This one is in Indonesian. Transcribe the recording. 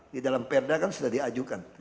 di dalam perda kan sudah diajukan